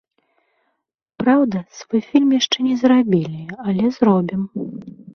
Праўда, свой фільм яшчэ не зрабілі, але зробім.